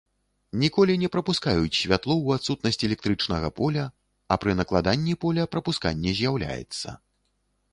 Ніколі не прапускаюць святло ў адсутнасць электрычнага поля, а пры накладанні поля прапусканне з'яўляецца.